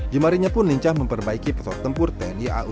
jemarinya pun lincah memperbaiki pesawat tempur tni au